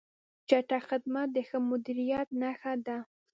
چټک خدمت د ښه مدیریت نښه ده.